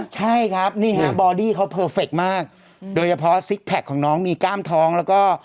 ใช่ครับนี่ฮะบอดี้เขาเพอร์เฟคมากโดยเฉพาะซิกแพคของน้องมีกล้ามท้องแล้วก็